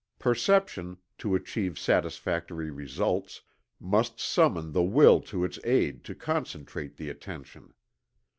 Perception, to achieve satisfactory results, must summon the will to its aid to concentrate the attention.